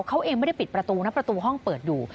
เขาเองไม่ได้ปิดประตูนะประตูห้องเปิดอยู่